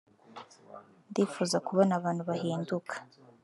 ndifuza kubona abantu bahinduka